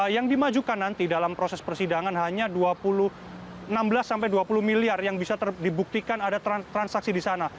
yang dimajukan nanti dalam proses persidangan hanya enam belas sampai dua puluh miliar yang bisa dibuktikan ada transaksi di sana